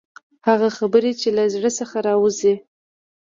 هغه خبرې چې له زړه څخه راوځي.